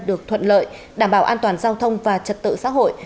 được thuận lợi đảm bảo an toàn giao thông và trật tự xã hội